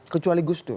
kecuali gus dur